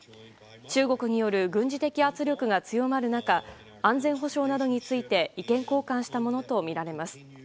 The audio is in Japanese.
中国による軍事的圧力が強まる中安全保障などについて意見交換したものとみられます。